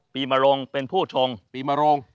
มรงเป็นผู้ชงปีมโรง